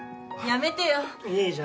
やめてよ！